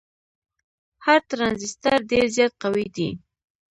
هر ټرانزیسټر ډیر زیات قوي دی.